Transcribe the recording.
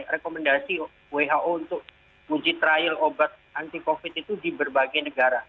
rekomendasi who untuk uji trial obat anti covid itu di berbagai negara